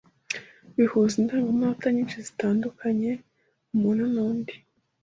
bihuze indengemenote nyinshi zitendukenye umuntu n’undi,